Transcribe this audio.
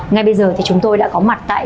ngay bây giờ thì chúng tôi đã có mặt tại